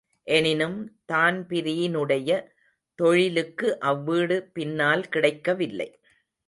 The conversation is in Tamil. எனினும் தான்பிரீனுடைய தொழிலுக்கு அவ்வீடு பின்னால் கிடைக்கவில்லை.